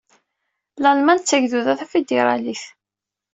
Lalman d tagduda tafidiṛalit.